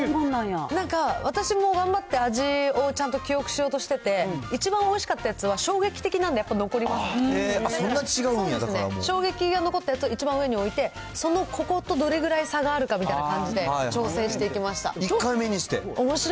私も頑張って、味をちゃんと記憶しようとしてて、一番おいしかったやつは、衝撃的なんで、へー、衝撃が残ったやつを一番上に置いて、そのこことどれぐらい差があるかみたいな感じで調整して１回目にして？